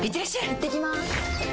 いってきます！